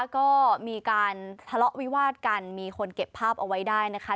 ก็มีการทะเลาะวิวาดกันมีคนเก็บภาพเอาไว้ได้นะคะ